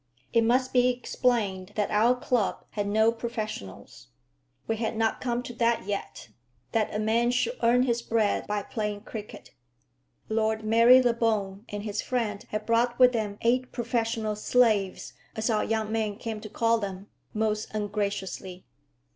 It must be explained that our club had no professionals. We had not come to that yet, that a man should earn his bread by playing cricket. Lord Marylebone and his friend had brought with them eight professional "slaves," as our young men came to call them, most ungraciously.